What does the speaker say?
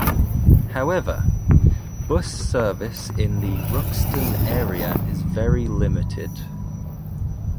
However, bus service in the Ruxton area is very limited.